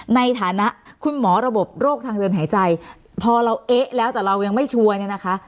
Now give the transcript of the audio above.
ในฐานะคุณหมอระบบโรคทางเดินหายใจพอเราเอ๊ะแล้วแต่เรายังไม่ชัวร์เนี่ยนะคะ